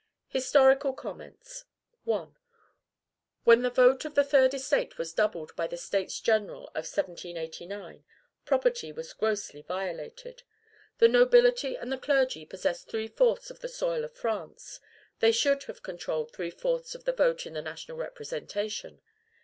HISTORICAL COMMENTS. 1. When the vote of the third estate was doubled by the States General of 1789, property was grossly violated. The nobility and the clergy possessed three fourths of the soil of France; they should have controlled three fourths of the votes in the national representation.